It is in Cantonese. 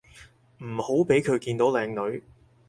唔好畀佢見到靚女